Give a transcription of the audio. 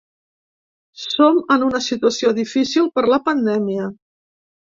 Som en una situació difícil per la pandèmia.